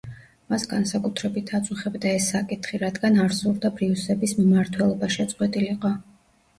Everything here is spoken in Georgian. მას განსაკუთრებით აწუხებდა ეს საკითხი, რადგან არ სურდა ბრიუსების მმართველობა შეწყვეტილიყო.